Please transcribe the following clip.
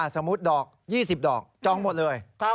สมมุติดอก๒๐ดอกจองหมดเลย